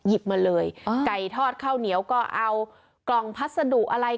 มาเลยไก่ทอดข้าวเหนียวก็เอากล่องพัสดุอะไร